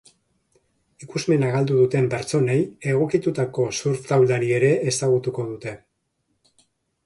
Ikusmena galdu duten pertsonei egokitutako surf taulari ere ezagutuko dute.